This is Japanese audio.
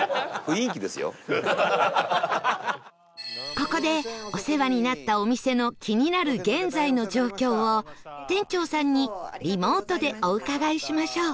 ここでお世話になったお店の気になる現在の状況を店長さんにリモートでお伺いしましょう